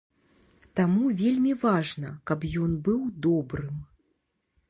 Таму вельмі важна, каб ён быў добрым.